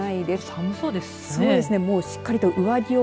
寒そうですね。